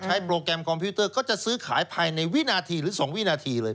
โปรแกรมคอมพิวเตอร์ก็จะซื้อขายภายในวินาทีหรือ๒วินาทีเลย